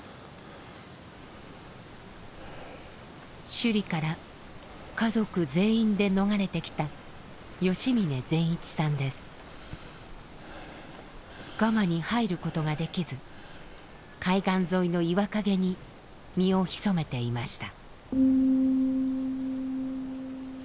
首里から家族全員で逃れてきたガマに入ることができず海岸沿いの岩陰に身を潜めていました。